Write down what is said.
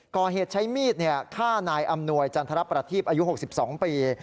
ก่อเหตุใช้มีดฆ่านายอำนวยจันทรประทีปอายุ๖๒ปี